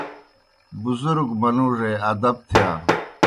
بُزُرگ مَنُوڙُے ادب تِھیا۔